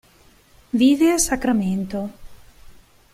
Vive a Sacramento.